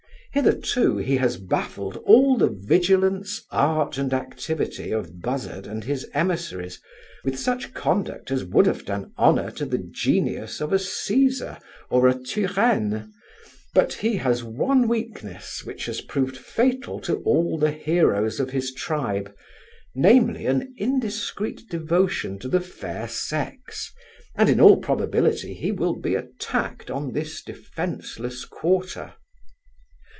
Hitherto he has baffled all the vigilance, art, and activity of Buzzard and his emissaries, with such conduct as would have done honour to the genius of a Caesar or a Turenne; but he has one weakness, which has proved fatal to all the heroes of his tribe, namely, an indiscreet devotion to the fair sex, and in all probability, he will be attacked on this defenceless quarter.